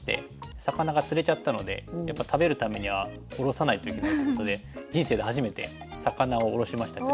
魚が釣れちゃったのでやっぱり食べるためにはおろさないといけないっていうことで人生で初めて魚をおろしましたけど。